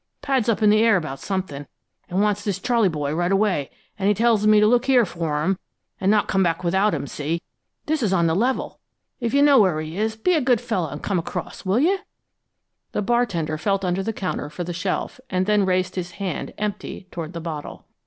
Pad's up in the air about something, and wants this Charley boy right away, and he tells me to look here for him and not come back without him, see? This is on the level. If you know where he is, be a good fellow and come across, will you?" The bartender felt under the counter for the shelf, and then raised his hand, empty, toward the bottle.